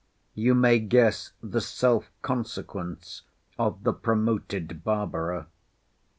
You may guess the self consequence of the promoted Barbara.